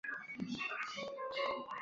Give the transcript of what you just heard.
遂斩之。